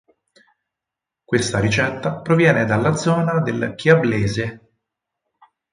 Questa ricetta proviene dalla zona del Chiablese.